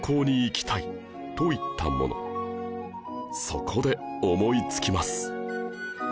そこで思いつきます